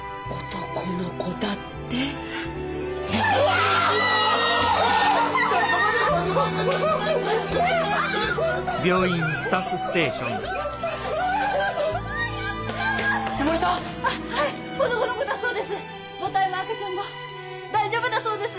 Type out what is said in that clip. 男の子だそうです。